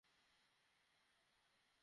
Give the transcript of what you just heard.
আরেকটা ধাক্কা দাও।